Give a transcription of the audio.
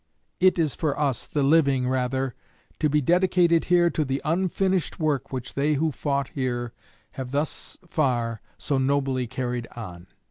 It is for us, the living, rather, to be dedicated here to the unfinished work which they who fought here have thus far so nobly carried on.